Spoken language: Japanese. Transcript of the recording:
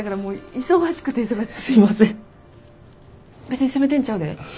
別に責めてんちゃうで。